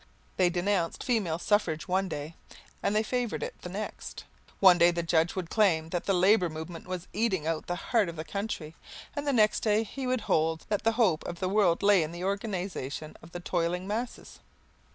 They denounced female suffrage one day and they favoured it the next. One day the judge would claim that the labour movement was eating out the heart of the country, and the next day he would hold that the hope of the world lay in the organization of the toiling masses.